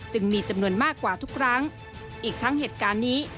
มีจำนวนมากกว่าทุกครั้งอีกทั้งเหตุการณ์นี้